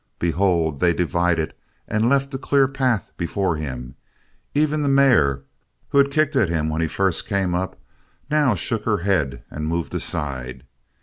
Behold, they divided and left a clear path before him; even the mare who had kicked at him when he first came up now shook her head and moved aside.